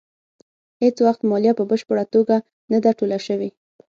هېڅ وخت مالیه په بشپړه توګه نه ده ټوله شوې.